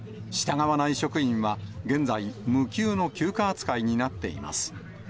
従わない職員は、現在、無給の休暇扱いになっています。